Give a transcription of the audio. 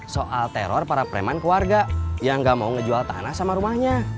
soal teror para preman keluarga yang gak mau ngejual tanah sama rumahnya